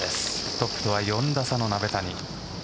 トップとは４打差の鍋谷。